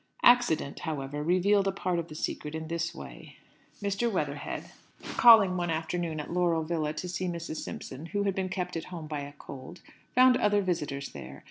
Accident, however, revealed a part of the secret in this way: Mr. Weatherhead, calling one afternoon at Laurel Villa to see Mrs. Simpson, who had been kept at home by a cold, found other visitors there.